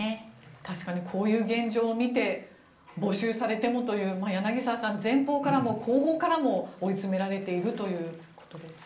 確かにこういう現状を見て募集されてもという柳澤さん、前方からも後方からも追い詰められているということです。